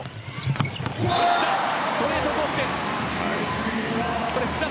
ストレートコース、西田。